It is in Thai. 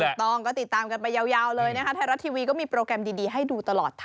วันนี้เพราะว่าไทยรัดทีวีของเราเดี๋ยวจะมีการถ่ายทอดสดต่อ